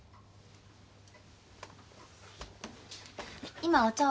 今お茶を。